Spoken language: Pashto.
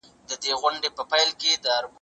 خوشحالي یوازې په خندا کي نه وي.